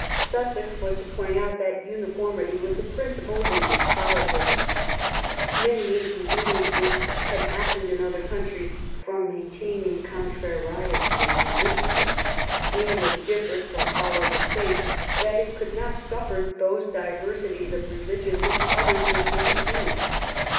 Sussex was to point out that uni formity was a principle of English politics: "Many inconviences had happened in other countries from maintaining contrariety in religion. England differed from all other States that it could not suffer those diversities of religion which others were seen to do.